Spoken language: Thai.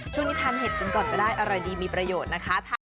ทานเห็ดกันก่อนก็ได้อร่อยดีมีประโยชน์นะคะ